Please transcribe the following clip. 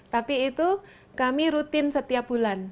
tapi itu kami rutin setiap bulan